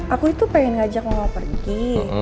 aku itu pengen ngajak mama pergi